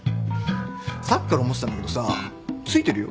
さっきから思ってたんだけどさついてるよ。